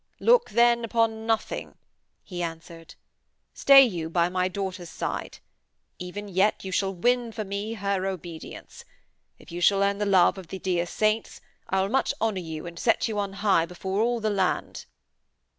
'Look then upon nothing,' he answered. 'Stay you by my daughter's side. Even yet you shall win for me her obedience. If you shall earn the love of the dear saints, I will much honour you and set you on high before all the land.'